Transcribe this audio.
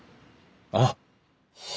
あっ！